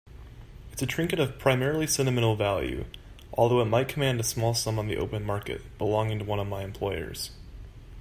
It's a trinket of primarily sentimental value, although it might command a small sum on the open market, belonging to one of my employers.